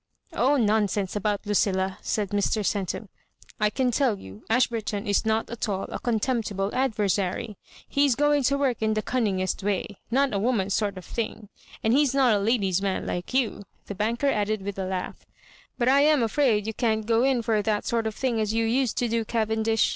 " Oh, nonsense about Lucilla," said Mr. Cen tum. "I can tell you Ashburton is not at all a contemptible adver^nry. He is going to work in the cunningest way — not a woman's sort of thing ; and he's not a ladies' man like you," the banker added with a laugh. " But I am afraid you can't go in for that sort of thing as you used to do. Cavendish.